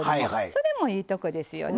それもいいとこですよね。